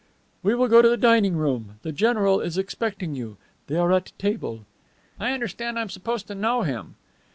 "We will go to the dining room. The general is expecting you. They are at table." "I understand I am supposed to know him."